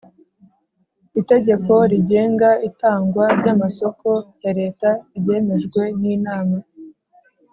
Itegeko rigenga itangwa ry amasoko ya Leta ryemejwe n Inama